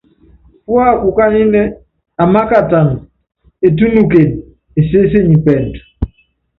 Púákukányínɛ́, amákatana, etúnukene, esésenyi pɛɛndu.